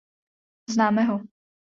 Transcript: Známe ho.